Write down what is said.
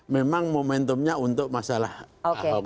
memang momentumnya untuk masalah ahok